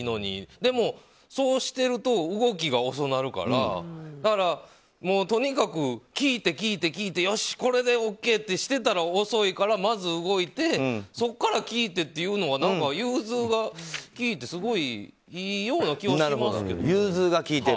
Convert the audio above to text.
でも、そうしてると動きが遅なるからだから、とにかく聞いて聞いてよし、これでＯＫ！ってしていたら遅いから、まず動いてそこから聞いてっていうのは何か融通が利いてすごい、いいような気はしますけどね。